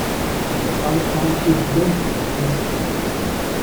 Damals war geplant, den Personenverkehr einzustellen.